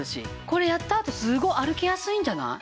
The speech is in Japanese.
これやったあとすごい歩きやすいんじゃない？